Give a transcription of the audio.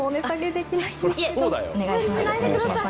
お願いします。